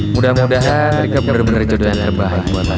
mudah mudahan mereka bener bener jodohan terbaik buat aku